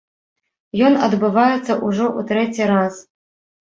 Ён адбываецца ўжо ў трэці раз.